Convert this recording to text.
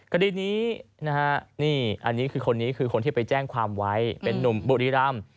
คดีนี้คนนี้คือคนที่ไปแจ้งความไว้เป็นนุ่มบุรีรัมพ์